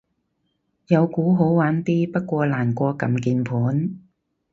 有鼓好玩啲，不過難過撳鍵盤